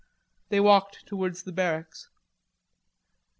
They walked towards the barracks.